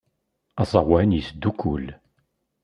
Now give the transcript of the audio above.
Aẓawan yesdukkul.